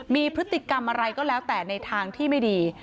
มีพฤติกรรมอะไรก็แล้วแต่ในทางที่ไม่ดี